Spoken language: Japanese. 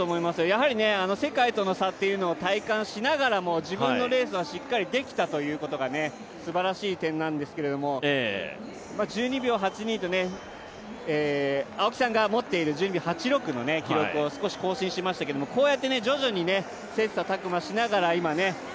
やはり世界との差を体感しながらも、自分のレースはしっかりできたということがすばらしい点なんですけれども、１２秒８２と、青木さんが持っている１２秒８６の記録を少し更新しましたけどこうやって徐々に切磋琢磨しながら今ね。